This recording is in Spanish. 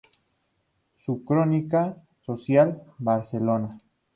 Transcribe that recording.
Su crónica social "Barcelona.